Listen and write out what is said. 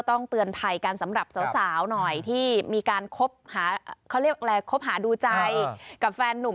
ต้องเตือนไทยการสำหรับสาวหน่อยที่มีการคบหาดูใจกับแฟนหนุ่ม